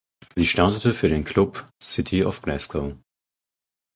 Sie startete für den Club "City of Glasgow".